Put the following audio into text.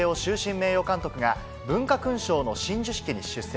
名誉監督が、文化勲章の親授式に出席。